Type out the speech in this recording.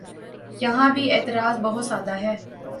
یہاں بھی اعتراض بہت سادہ ہے۔